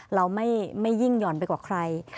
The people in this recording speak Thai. เราไม่ยิ่งหย่อนไปกว่าใคร